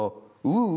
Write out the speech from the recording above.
うん。